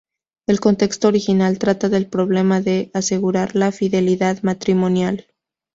El contexto original trata del problema de asegurar la fidelidad matrimonial.